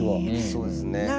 そうですね。